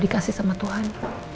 dikasih sama tuhan